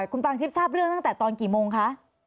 คุณพังธิปทราบเรื่องเห็นตั้งแต่ตอนกี่โมงค่ะ